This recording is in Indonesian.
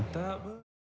terima kasih udah nonton